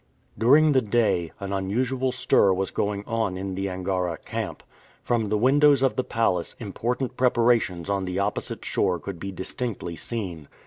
During the day, an unusual stir was going on in the Angara camp. From the windows of the palace important preparations on the opposite shore could be distinctly seen.